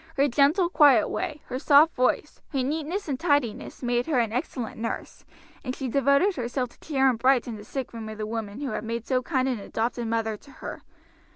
Her gentle, quiet way, her soft voice, her neatness and tidiness, made her an excellent nurse, and she devoted herself to cheer and brighten the sickroom of the woman who had made so kind an adopted mother to her.